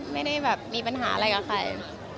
ไม่ได้แบบมีปัญหาอะไรกับใคร